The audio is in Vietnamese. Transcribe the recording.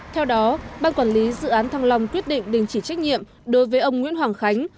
theo đó ban quản lý dự án thăng long quyết định đình chỉ trách nhiệm đối với ông nguyễn hoàng khánh